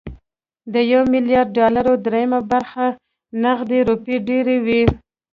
د يو ميليارد ډالرو درېيمه برخه نغدې روپۍ ډېرې وي